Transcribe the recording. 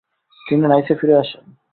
তিনি নাইসে ফিরে আসেন ।